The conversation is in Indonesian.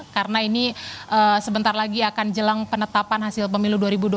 karena ini sebentar lagi akan jelang penetapan hasil pemilu dua ribu dua puluh empat